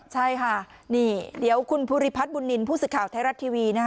ใช่ค่ะนี่เดี๋ยวคุณภูริพัฒน์บุญนินทร์ผู้สื่อข่าวไทยรัฐทีวี